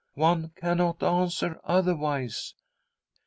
One cannot answer otherwise.